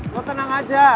lo tenang aja